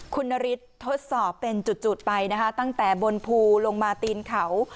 คุณนฤทธิ์ทดสอบเป็นจุดไปนะคะตั้งแต่บนภูลงมาตีนเขา